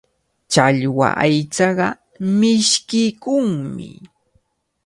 Challwa aychaqa mishkiykunmi.